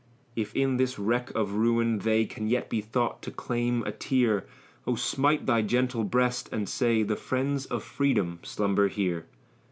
If in this wreck of ruin they Can yet be thought to claim a tear, O smite thy gentle breast, and say The friends of freedom slumber here!